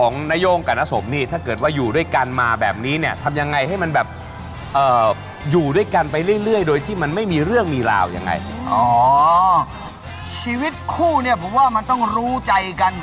เงินได้กลับบ้าน๓หมื่นนะ